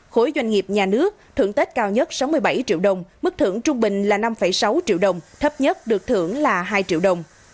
khối doanh nghiệp nhà nước thưởng tết cao nhất sáu mươi bảy triệu đồng mức thưởng trung bình là năm sáu triệu đồng thấp nhất được thưởng là hai triệu đồng